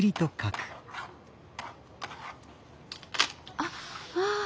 あっああ